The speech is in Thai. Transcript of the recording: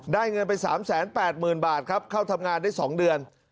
เงินไป๓๘๐๐๐บาทครับเข้าทำงานได้๒เดือน